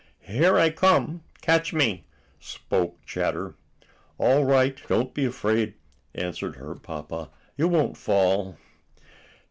"Here I come! Catch me!" spoke Chatter. "All right don't be afraid," answered her papa. "You won't fall."